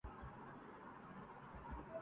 دیکھا اسدؔ کو خلوت و جلوت میں بار ہا